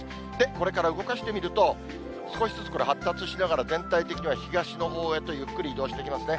これから動かしてみると、少しずつ発達しながら全体的には東のほうへとゆっくり移動してきますね。